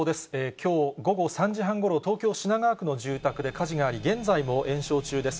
きょう午後３時半ごろ、東京・品川区の住宅で火事があり、現在も延焼中です。